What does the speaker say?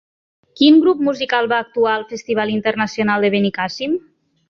Quin grup musical va actuar al Festival Internacional de Benicàssim?